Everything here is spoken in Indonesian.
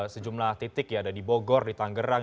sejumlah titik ya ada di bogor di tanggerang